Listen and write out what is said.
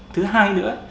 thứ hai nữa